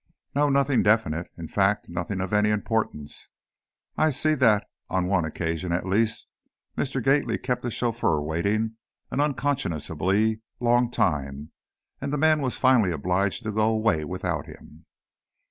"No; nothing definite. In fact, nothing of any importance. I see that on one occasion, at least, Mr. Gately kept a chauffeur waiting an unconscionably long time, and the man was finally obliged to go away without him."